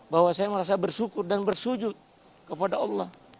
bahwa saya merasa bersyukur dan bersujud kepada allah